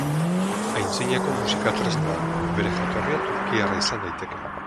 Aintzinako musika tresna da, bere jatorria turkiarra izan daiteke.